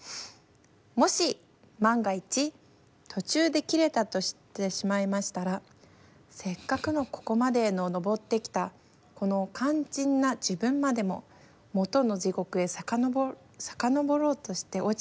もし万が一途中で断れたとしてしまいましたらせっかくのここまでののぼって来たこの肝腎な自分までももとの地獄へさかのぼさかのぼろうとして落ちたわけ」。